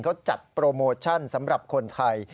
เขาจัดโปรโมชั่นสำหรับคนไทย